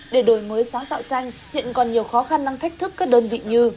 để đổi mới sáng tạo xanh hiện còn nhiều khó khăn năng thách thức các đơn vị như